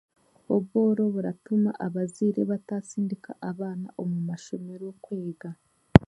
Obworo buratuma abazaire bataasindika abaana omu mashomero kwega.